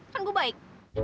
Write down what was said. kan gua baik